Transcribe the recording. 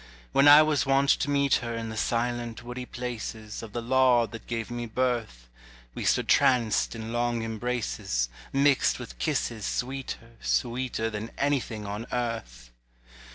When I was wont to meet her In the silent woody places Of the laud that gave me birth, We stood tranced in long embraces Mixt with kisses sweeter, sweeter Than anything on earth.